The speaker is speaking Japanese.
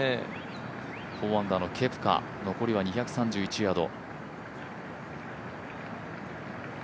４アンダーのケプカ、残りは２３１ヤード。